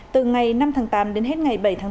từ ngày năm tháng tám đến hết ngày bảy tháng tám